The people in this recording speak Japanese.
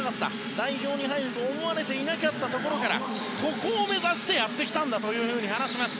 代表に入ると思われていなかったところからここを目指してやってきたんだと話します。